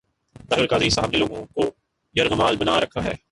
طاہر القادری صاحب نے لوگوں کو یرغمال بنا رکھا ہے۔